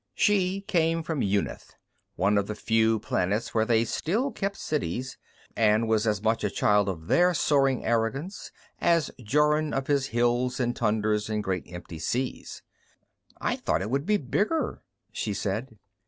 She came from Yunith, one of the few planets where they still kept cities, and was as much a child of their soaring arrogance as Jorun of his hills and tundras and great empty seas. "I thought it would be bigger," she said.